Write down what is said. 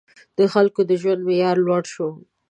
• د خلکو د ژوند معیار لوړ شو.